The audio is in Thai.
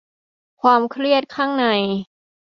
ความเครียดข้างใน